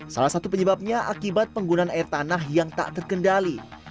salah satu penyebabnya akibat penggunaan air tanah yang tak terkendali